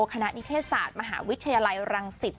คณะนิเทศศาสตร์มหาวิทยาลัยรังสิต